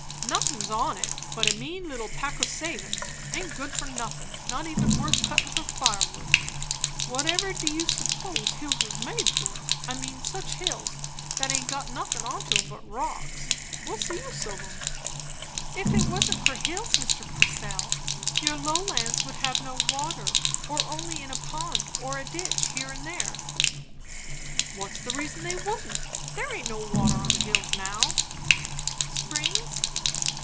"Nothin's on it, but a mean little pack o' savins Aint good for nothin'; not even worth cuttin' for firewood. What ever do you s'pose hills was made for? I mean, sich hills; that haint got nothin' onto 'em but rocks. What's the use of 'em?" "If it wasn't for hills, Mr. Purcell, your low lands would have no water; or only in a pond or a ditch here and there." "What's the reason they wouldn't? There aint no water on the hills now." "Springs?"